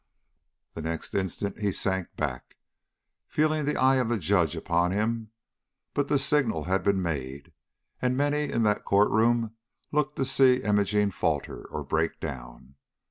The next instant he sank back, feeling the eye of the Judge upon him; but the signal had been made, and many in that court room looked to see Imogene falter or break down.